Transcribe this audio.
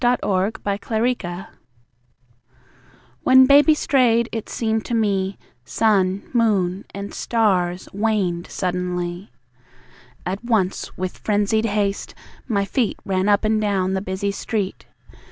When Baby Strayed When Baby strayed, it seemed to me, Sun, moon and stars waned suddenly. At once, with frenzied haste, my feet Ran up and down the busy street.